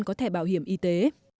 có thể bảo hiểm y tế